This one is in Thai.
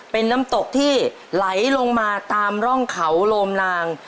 เป็นน้ำตกที่ไหลลงมาตามร่องเขาโรมลาง